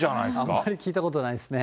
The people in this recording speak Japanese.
あんまり聞いたことないですね。